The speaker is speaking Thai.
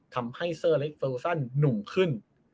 ทำให้เซอร์เลสโซซันหนุ่มขึ้น